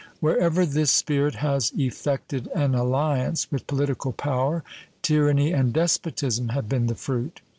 Wherever this spirit has effected an alliance with political power, tyranny and despotism have been the fruit.